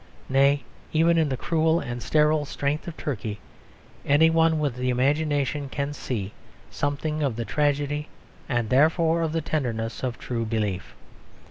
Nay, even in the cruel and sterile strength of Turkey, any one with imagination can see something of the tragedy and therefore of the tenderness of true belief.